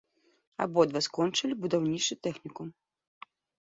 Абодва скончылі будаўнічы тэхнікум.